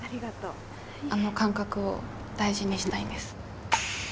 あの感覚を大事にしたいんです。